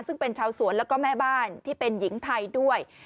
ซึ่งเป็นชาวสวนแล้วก็แม่บ้านที่เป็นหญิงไทยด้วย